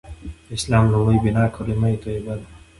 د اسلام لومړۍ بناء کلیمه طیبه ده.